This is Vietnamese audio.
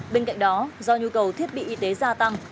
bên cạnh đó do nhu cầu thiết bị y tế gia tăng